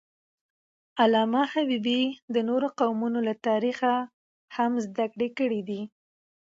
علامه حبیبي د نورو قومونو له تاریخه هم زدهکړه کړې ده.